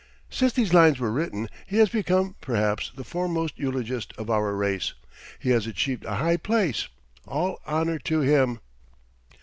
[Since these lines were written he has become, perhaps, the foremost eulogist of our race. He has achieved a high place. All honor to him!